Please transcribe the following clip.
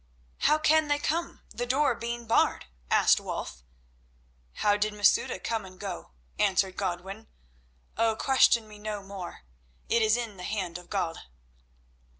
"How can they come, the door being barred?" asked Wulf. "How did Masouda come and go?" answered Godwin. "Oh, question me no more; it is in the hand of God."